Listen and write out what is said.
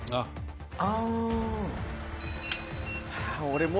「ああ！」